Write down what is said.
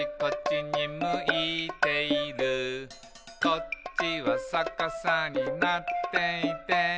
「こっちはさかさになっていて」